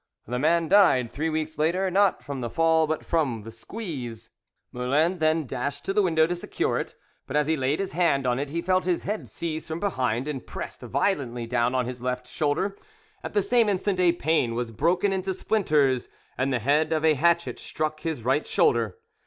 The man died three weeks later, not from the fall but from the squeeze. Moulin then dashed to the window to secure it, but as he laid his hand on it he felt his head seized from behind and pressed violently down on his left shoulder; at the same instant a pane was broken into splinters, and the head of a hatchet struck his right shoulder.